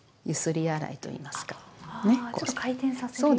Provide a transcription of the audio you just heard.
ちょっと回転させるように。